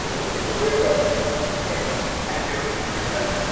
د دود وهلي ښار سپېڅلي خلگ لا ژونـدي دي ـ